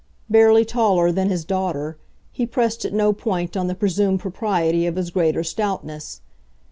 Barely taller than his daughter, he pressed at no point on the presumed propriety of his greater stoutness.